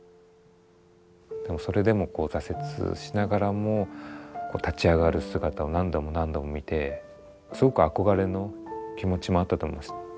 でもそれでもこう挫折しながらも立ち上がる姿を何度も何度も見てすごく憧れの気持ちもあったと思います。